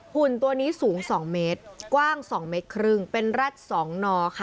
หุ่นตัวนี้สูง๒เมตรกว้าง๒เมตรครึ่งเป็นแร็ด๒นอค่ะ